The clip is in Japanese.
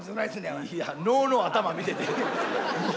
「脳の頭見て」て。